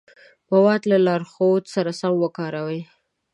مواد له لارښود سره سم وکاروئ.